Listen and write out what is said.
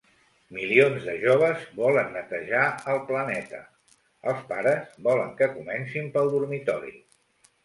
Milions de joves volen netejar el planeta; els pares volen que comencin pel dormitori.